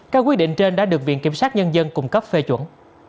các quyết định trên đã được viện kiểm sát nhân dân cung cấp phê chuẩn